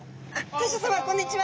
大将さまこんにちは。